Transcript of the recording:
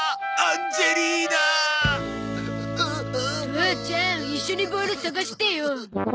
父ちゃん一緒にボール探してよ。